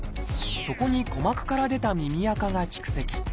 そこに鼓膜から出た耳あかが蓄積。